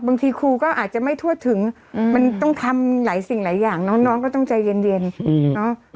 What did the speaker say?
บางทีครูก็อาจจะไม่ทวดถึงอืมมันต้องทำหลายสิ่งหลายอย่างน้องน้องก็ต้องใจเย็นเย็นอืม